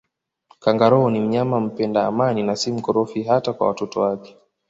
Kangaroo ni mnyama mpenda amani na si mkorofi hata kwa mtoto wake